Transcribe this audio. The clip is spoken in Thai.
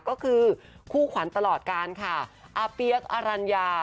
ก็คือคู่ขวัญตลอดการค่ะอาเปี๊ยกอรัญญา